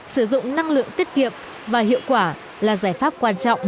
sử dụng năng lượng tiết kiệm và hiệu quả là giải pháp quan trọng